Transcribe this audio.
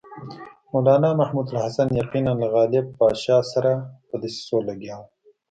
مولنا محمود الحسن یقیناً له غالب پاشا سره په دسیسو لګیا وو.